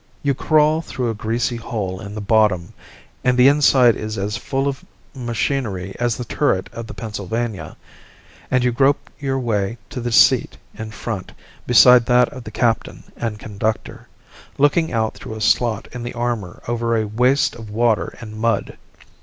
You crawl through a greasy hole in the bottom, and the inside is as full of machinery as the turret of the Pennsylvania, and you grope your way to the seat in front beside that of the captain and conductor, looking out through a slot in the armour over a waste of water and mud.